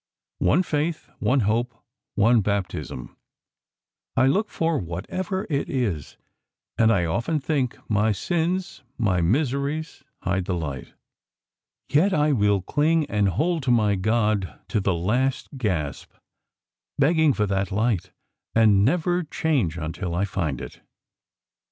One faith, one hope, one baptism, I look for, whatever it is, and I often think my sins, my miseries, hide the light. Yet I will cling and hold to my God to the last gasp, begging for that light, and never change until I find it."